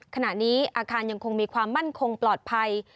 ขณะนี้อาคารยังคงมีความมั่นคงปลอดภัย